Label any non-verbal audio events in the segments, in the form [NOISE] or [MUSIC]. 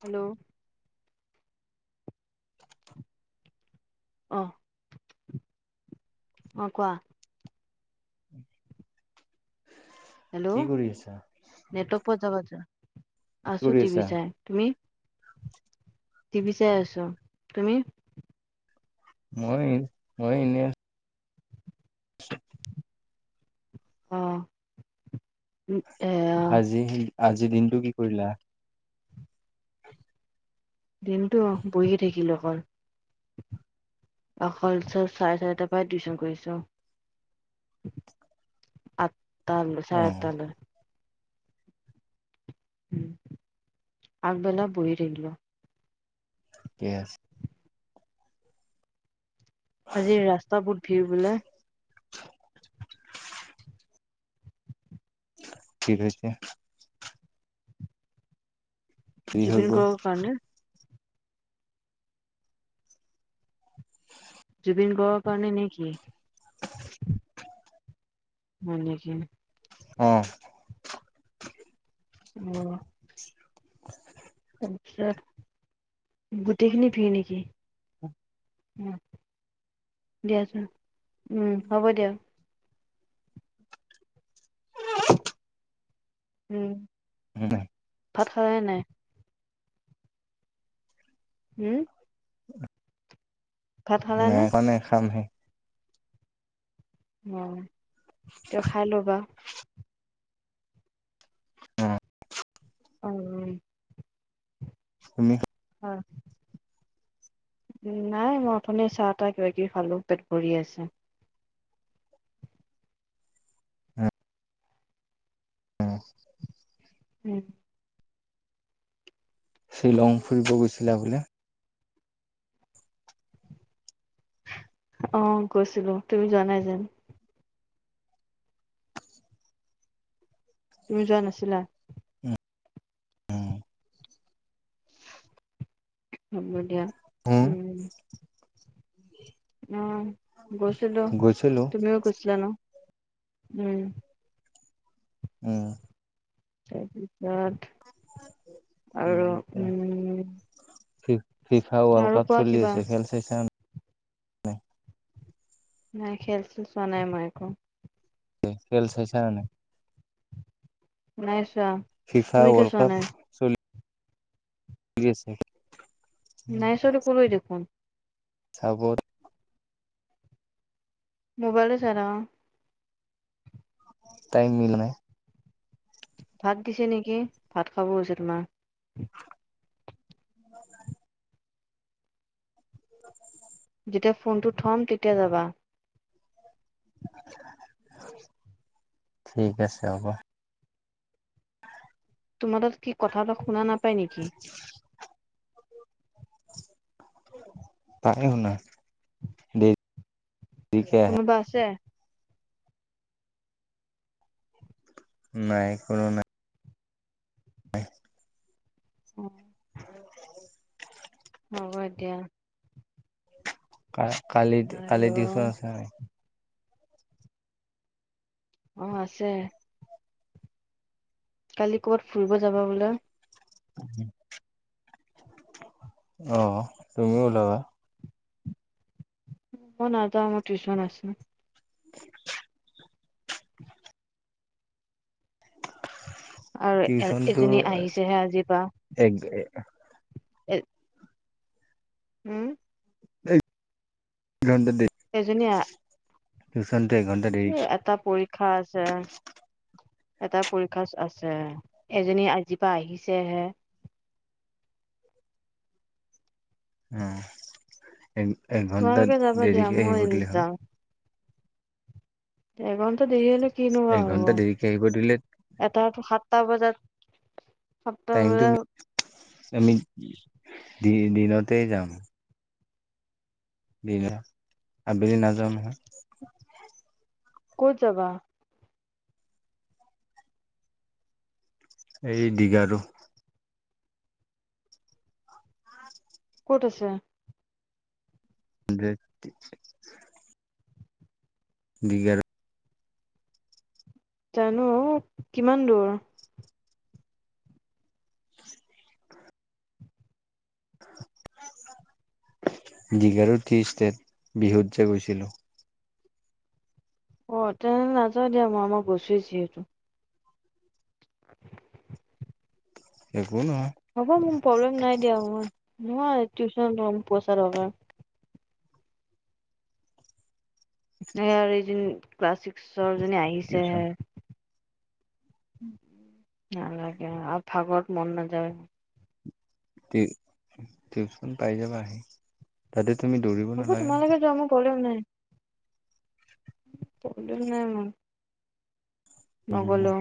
Hello, অহ', - অহ ', কোৱা? উম, হেল্ল', নেটৰ্ক প যাব [UNINTELLIGIBLE] [INAUDIBLE] কি আছো কৰি আছা? টিভি চাই তুমি? টিভি চাই আছো তুমি। মই এনেই [INAUDIBLE] অ, উম। আজি আজিৰ দিনটো কি কৰিলা? [INAUDIBLE] দিনটো বহি থাকিলো অকল অকল চব চাৰে চাৰিটাৰ পৰাই টিউচন কৰিছো আ। তাল অ চায় তাল। উম আগবেলা বহি থাকিলো। য়েছ। আজি ৰাস্তা বহুত ভিৰ বোলে। ঠিক আছে। ফ্ৰী হৈ জিবিন গ গ'ল। কাৰণে। প্ৰবন গৱ কাৰে নে কি? হয় নেকি? অ। উম। [INAUDIBLE] তাৰ পিছত গোটেইখিনি ভি নেকি? [UNINTELLIGIBLE] উম দিয়া চোন। উম হ'ব দিয়া। উম্। উম্। ভাত খালানে নাই? উম্। নাই খোৱা, খামহে। উম্। ত খাই ল'বা। অ উম্ উম্। তুমি খা অ। নাই মই অথনি চাহ তাহ কিবা কিবি খালো, পেট ভৰি আছে। উম্। উম। উম্। ছিলং ফুৰিব গৈছিলা বোলে? অ গৈছিলোঁ। তুমি যোৱা যেন? তুমি যোৱা নাছিলা। উম্ উম্। হ'ব দিয়া। হোঁ। উম উম্ গৈছিলোঁ, গৈছিলো। তুমিওঁ গৈছিলা ন। উম্। উম্। তাৰ পিছত আৰু উম্ ফিফা ৱৰ্ল্ড কাপ চলি আছে খেল চাইছানে নাই [INAUDIBLE] নাই খেল চেল চোৱা নাই, মই একো। খেল চাইচানে নাই। নাই চো ফিফা ৱৰৰ্ল্ড কাপ চলি চলি আছে। নাই চোৱা টো কলোৱে দেখোন। চাব মোবাইলটো চাই থাকোঁ টাইম মিলা নাই। ভাত দিছে নেকি, ভাত খাব হৈছে তোমাৰ। [INAUDIBLE] [INAUDIBLE] এতিয়া ফোনটো থ'ম তেতিয়া যাবা। ঠিক আছে হ'ব। তোমাৰ তাত কি, কথা এটা শুনা নাপ পাই নেকি। পাই শুনা। দেৰিকে আহে। কোনোবা আছে। নাই, কোনো নাই। অঁ। [INAUDIBLE] হ'ব দিয়া। কা কালি - আৰু কালি টিউচন আছে নে নাই। অঁ, আছে। কালি ক'বাত ফুৰিব যাবা বোলে। অঁ, তুমিও উলাবা। মই নাযাওঁ টিউছন আছে। [INAUDIBLE] আৰু এ টিউচনটো এজনী আহিছেহে আজিৰ পা। [INAUDIBLE] এ উম। ঘন্টা দেৰি এজনী আ টিউচনটো এঘন্টা দেৰি এটা পৰীক্ষা আছে। এটা পৰীক্ষা আছে, এজনী আজিৰ পৰা আহিছেহে। উম। এঘণ্টা, তোমালোকে যাবা দিয়া দেৰিকে আহি মই প দিলে হ'ল। এ। দেৰি হলে কিনুৱোৱা এঘন্টা হ'ব, দেৰিকে আহিব দিলে এটা সাতটা বজাত। সাতটা টাইমটো বজাত আমি। দি দিনতে যাম। দিনা, আবেলি নাযাওঁ নহয়। ক'ত যাবা। এই দিঘ আৰু। ক'ত আছে। [UNINTELLIGIBLE] দিঘাৰো। জানো, কিমান দূৰ। দীঘাৰু ত্ৰি ষ্টেট, বিহুত যে গৈছিলোঁ। অ তেনে নাযাওঁ দিয়া মই আমাক গছোৱেই যিহেতু। হয়। উম। হ'ব মোৰ প্ৰব্লেম নাই দিয়া মই নহয় টিউচন লম পইচা দৰকাৰ নাই এইদিন ক্লাছ ছিক্স ওচৰজনী আহিছেহে। টিউচন নালাগে আৰু ভাগৰত মন নাযায়। টিপচ খন পাইজাবা আহি। তুমি দৌৰিব হ'ব নালাগে তোমালোকে যোৱা মোৰ প্ৰব্লেম নাই। [INAUDIBLE] প্ৰব্লেম নাই মোৰ উম, নগলো।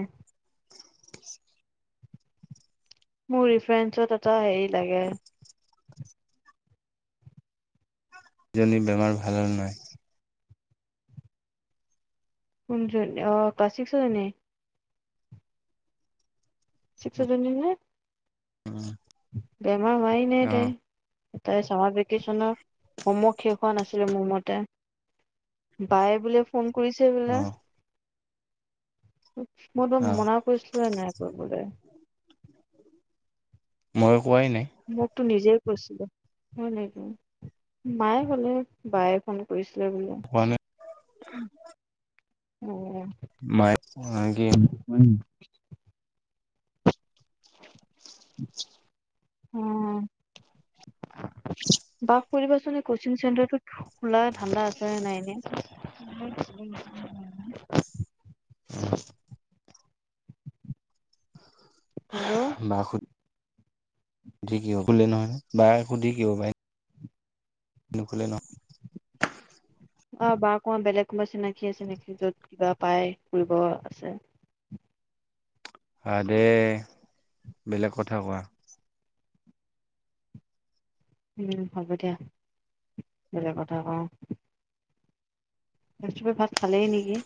মোৰ ৰিফ্ৰেণ্ছত এটা হেৰিত লাগে। ইজনী বেমাৰ ভাল নহয়। কোনজনি অ ক্লাছ চিক্স জনি চিক্স জনি নে? উম, বেমাৰ হোৱা এ নাই অ তাইৰ তাইৰ চামাৰ ভেকেচনৰ হমৱৰ্ক শেষ হোৱা নাছিলে মোৰ মতে বাই বুলি ফোন কৰিছে অ বোলে। মইতো অ মানা কৰিছিলো নাই কৰিবলৈ। মই কোৱাই নাই। তো নিজেই কৈছিলে হয় নে ক মায়ে কলে বায়ে ফোন কৰিছে। তই বোলে। কোৱা নাই উ'ম। মায়ে [UNINTELLIGIBLE] উ'ম [UNINTELLIGIBLE] বাক কই দিবাচোন এ! কচিং চেণ্টাৰটো খোলা ঠাণ্ডা আছে নে নাই এনে। [UNINTELLIGIBLE] হেল্ল' বাক শুধা সুধি কি খোলে নহয় বাই সুধি কি হব বাই? নকলে ন। অ 'বাৰ কোনোবা বেলেগ কোনোবা চিনাকি আছে নেকি য'ত বাই কৰিব আছে। হা দে বেলেগ কথা কোৱা। উ'ম হ'ব দিয়া বেলেগ কথা কওঁ। চবেই ভাত খালেই নেকি।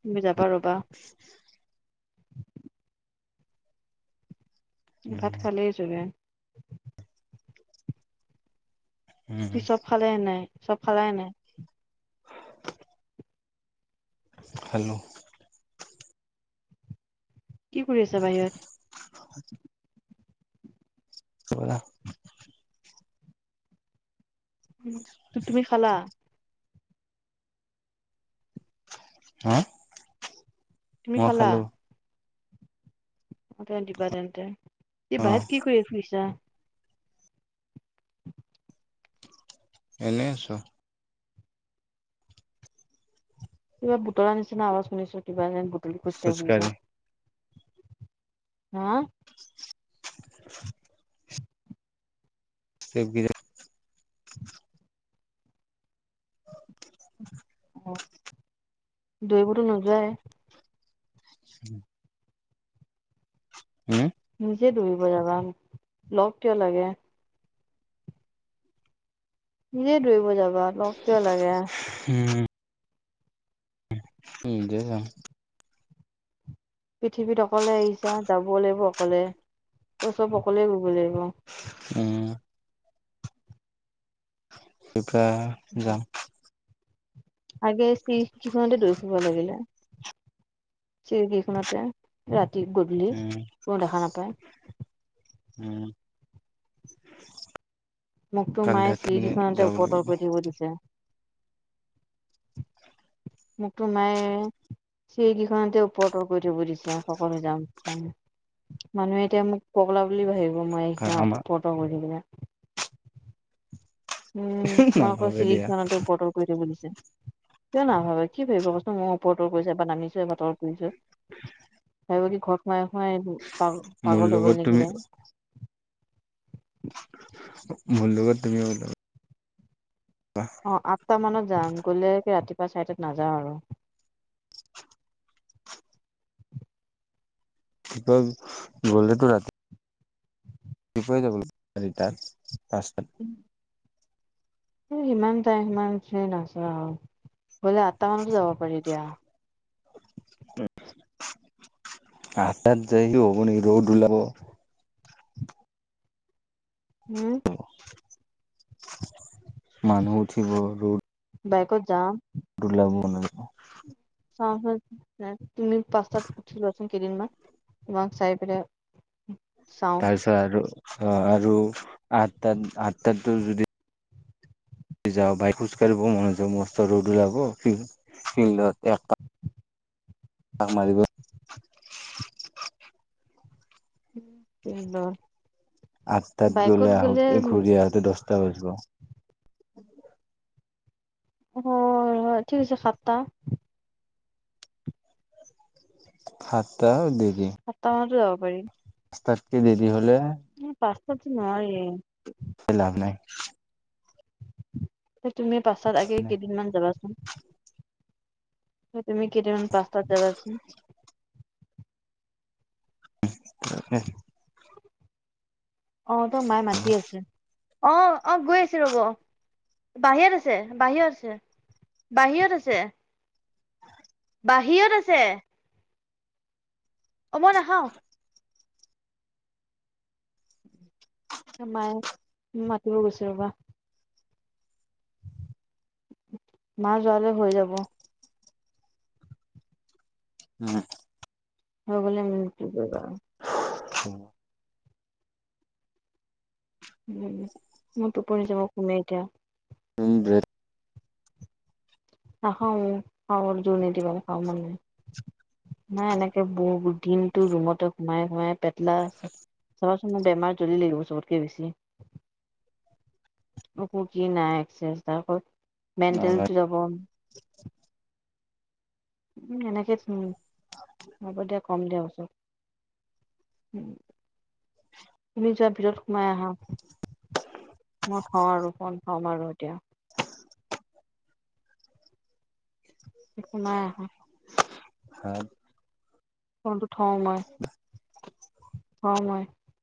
তুমি যাবা ৰ'বা। উম ভাত খালেই চুনে। [UNINTELLIGIBLE] উম তুমি চব খালে নে নাই। চব খালা নে নাই? হেল্ল। কি কৰি আছা বাহিৰত? [UNINTELLIGIBLE] উ'ম তু তুমি খা খালা। হা? তুমি মই খালা। খালো অ' তে দিবা তেন্তে। ই অ বাহিৰত কি কৰি ফুৰিছা? এনেই আছো। কিবা বুতলা নিছিনা আৱাজ শুনিছো কিবা এন। খোজকাঢ়ি ফুৰিছা। হা? [UNINTELLIGIBLE] তেগ বিজা। অ' দৌৰিবতো নোযোৱায়ে। [UNINTELLIGIBLE] উম, নিজে দৌৰিব যাবা লগ কিয় লাগে। নিজে দৌৰিব যা লগ কিয় লাগে। উম, দে যাম। পৃথিৱীত অকলে আহিছা যাব লাগিব অকলে ত' চব অকলে বুলিব। উম থোৱা উম। যাম। আগে চিৰিকিখনতে দৈ ফুব লাগিলে চৰিকিখনতে ৰাত। তি গদুলি উম কোনো দেখা নাপায়। উম, মোক তো কালি মায়ে ৰাতি পিনে চিৰিকিখনতে যাব ওপৰপা লাগিব কৈ থাকিব দিছে। মোক তো মায়ে চিৰিকিখনতে ওপ তৰ কৰি থাকিব দিছে। সকত হৈ যাম মানুহে এতিয়া মোক পগলা বুলি ভাবিব। মই এতিয়া আমাৰ উপৰ তল কৰি থাকিলে। উম, তোমাৰক নাভাবে দিয়া চিৰিকিখনতে ওপটৰ কৰি থাকিব দিছে। কিয় নাভাবে কি ভাবিব কচোন মোৰ ওপতৰ কৰিছে এবাৰ নামিছে এবাৰ তৰ কুইছে। সেই বুলি ঘৰত হয়-হয়, পাগল- মোৰ পাগল হৈ গ'ল লগত তুমি নেকি? মোৰ লগত তুমি অহ ', আঠটা মানত যাম গলে ৰাতিপুৱা চাৰিটাত নাযাওঁ আৰু। গল, গলেতো ৰাতি বিপাই [UNINTELLIGIBLE] যাব তাত আচ এ সিমান তাই, সিমান সে নাচাও বোলে আঠটামানোতো যাব পাৰি দিয়া। উম ', আহ। এ দেৰিকে হব নেকি তোৰ? ওলাব। হুম। মানুহ উঠিব ৰদ বাইকত যাম। দুল ব ন [UNINTELLIGIBLE] চাওচোন তুমি পাচ টাত উঠিবাচোন কেইদিনমান তোমাক চাই পেলাই চাওঁ তাৰপিছত আৰু অহ ', আৰু আঠ তাত, আঠটাতো যদি যাওঁ বাইক খোজ কাঢ়িব মনত য মষ্ট ৰ'দ ওলাব ফিল ফিল্ডত এক তা মাৰিব উম উ [INAUDIBLE] আঠটাত গলে আহোতে ঘূৰি আহোতে দচটা বাজিব। উ [INAUDIBLE] অ ঠিক আছে, সাতটা। সাতটা, দি সাতটা মানতে যা পাৰি। তাতকে দেৰি হলে? উম পা ক নহয়। লাভ নাই। তুমি পাছত আগে কেইদিনমান যাবাচোন। তুমি কেইদিনমান পাঁচটাত যাবাচোন। [INAUDIBLE] অ তই মায়ে মাতি আছে। অ অ গৈ আছো ৰ'ব, বাহিৰত আছে, বাহিৰত আছে, বাহিৰত আছে। বাহিৰত আছে। অ মই নাখাওঁ [UNINTELLIGIBLE] আমাৰ ম, কি গৈছে বা [INAUDIBLE] মা যোৱালৈ হৈ যাব। উম! হৈ গলে মোৰ টো কৰিবা। উ [UNINTELLIGIBLE] উ মইত যাব শুমে এতিয়া, উ বে, নাখাওঁ অ পাগল জুৰ নিদিবা খাব মন নাই। নাই এনেকে বহুত দিনতটো ৰুমতে সোমাই সোমাই পেটলা চাবাচোন বেমাৰ জ্বলি লাগিব চবতকে বেছি, উু কি নাই চেষ্টা কৰ। মেণ্টেলটো যাব, উ এনেকেই হ'ব দিয়া কম দিয়াচব উম! তুমি যোৱাৰ ভিতৰত সোমাই আহা মই থওঁ আৰু কন থম আৰু এতিয়া। সোমাই আহা, তেওঁ হাত, ফোনটো থওঁ মই থও মই